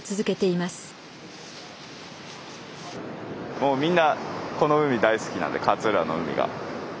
もうみんなこの海大好きなんで勝浦の海が。